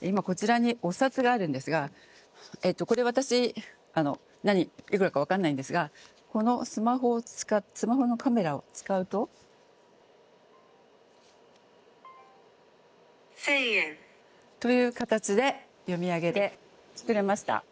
今こちらにお札があるんですがこれ私いくらか分かんないんですがこのスマホのカメラを使うと。という形で読み上げてくれました。